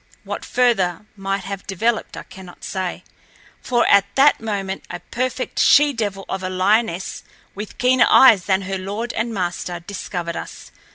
What further might have developed I cannot say, for at that moment a perfect she devil of a lioness, with keener eyes than her lord and master, discovered us.